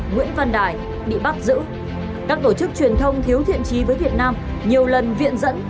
nguyễn văn đài bị bắt giữ các tổ chức truyền thông thiếu thiện trí với việt nam nhiều lần viện dẫn